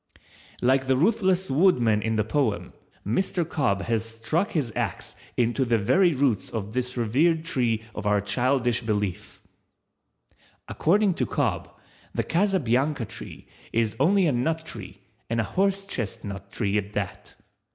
Like the ruthless Woodman in the poem, Mr. Cobb has struck his axe into the very roots of this revered tree of our childish belief⸺ According to Cobb, the Casabianca tree is only a nut tree and a horsechestnut tree at that.